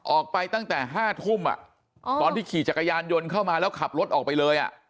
ออกไปตั้งแต่๕ทุ่มตอนที่ขี่จักรยานยนต์เข้ามาแล้วขับรถออกไปเลย